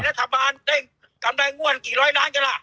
รัฐบาลได้กำไรงวดกี่ร้อยล้านกันล่ะ